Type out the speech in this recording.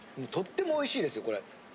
とってもおいしいですよこれ。